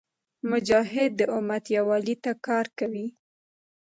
مجاهد د امت یووالي ته کار کوي.